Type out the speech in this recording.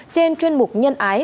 trên chuyên mục nhân ái